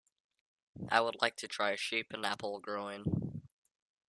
I would like to try sheep and apple growing.